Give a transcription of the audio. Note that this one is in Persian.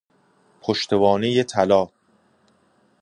پشتوانه طلا